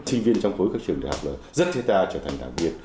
sinh viên trong khối các trường đại học là rất thiết tha trở thành đảng viên